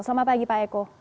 selamat pagi pak eko